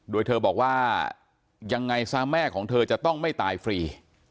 โดยเธอบอกว่ายังไงซะแม่ของเธอจะต้องไม่ตายฟรี